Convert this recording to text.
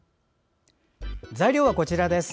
材料はこちらです。